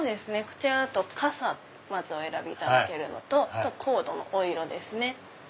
こちらだとかさをまずお選びいただけるのとコードのお色ですね